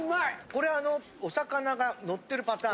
これあのお魚がのってるパターン。